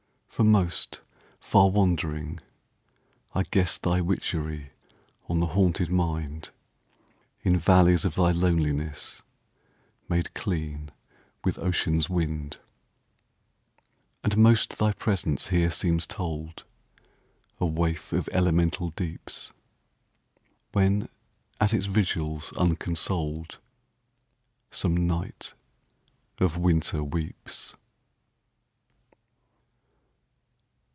For most, far wandering, I guessThy witchery on the haunted mind, In valleys of thy loneliness, Made clean with ocean's wind. And most thy presence here seems told,A waif of elemental deeps, When, at its vigils unconsoled, Some night of winter weeps.